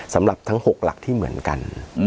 สำหรับทั้ง๖หลักที่เหมือนกัน